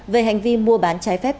về hành vi mua bán trái phép